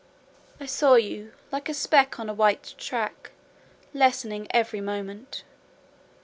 I saw you like a speck on a white track, lessening every moment.